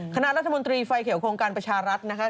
คณะรัฐมนตรีไฟเขียวโครงการประชารัฐนะคะ